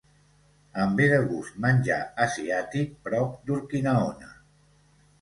Em ve de gust menjar asiàtic prop d'Urquinaona.